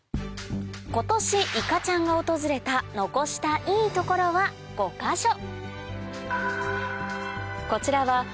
今年いかちゃんが訪れた残したいトコロは５か所